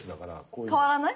変わらない？